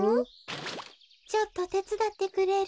ちょっとてつだってくれる？